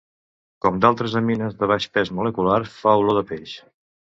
Com d'altres amines de baix pes molecular, fa olor de peix.